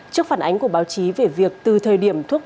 trước phản ánh của báo chí về việc từ thời điểm thuốc